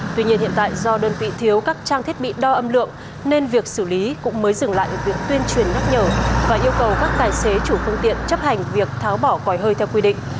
tuy nhiên hiện tại do đơn vị thiếu các trang thiết bị đo âm lượng nên việc xử lý cũng mới dừng lại việc tuyên truyền nhắc nhở và yêu cầu các tài xế chủ phương tiện chấp hành việc tháo bỏ quỏi hơi theo quy định